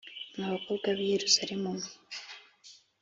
Mwa bakobwa b i Yerusalemu mwe